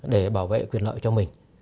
để bảo vệ quyền lợi cho mình